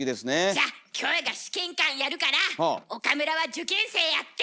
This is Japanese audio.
じゃあキョエが試験官やるから岡村は受験生やって！